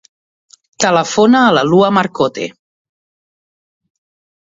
Telefona a la Lua Marcote.